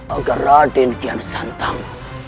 agar raden kian santang